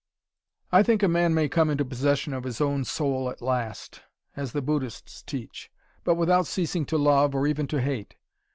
"I think a man may come into possession of his own soul at last as the Buddhists teach but without ceasing to love, or even to hate.